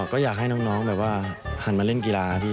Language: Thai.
ก็อยากให้น้องหั่นมาเล่นกีฬาน่ะที